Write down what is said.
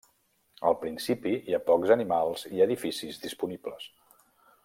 Al principi, hi ha pocs animals i edificis disponibles.